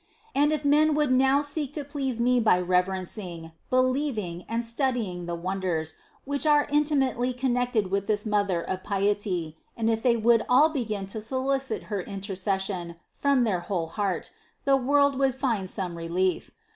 And if men would now seek to please Me by reverencing, be lieving, and studying the wonders, which are intimately connected with this Mother of Piety, and if they would all begin to solicit her intercession from their whole heart, the world would find some relief.